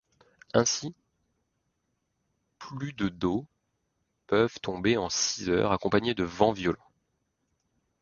Ainsi, plus de d'eau peuvent tomber en six heures, accompagnés de vents violents.